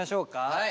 はい。